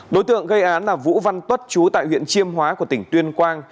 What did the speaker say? đối tượng gây án là vũ văn tuất chú tại huyện chiêm hóa của tỉnh tuyên quang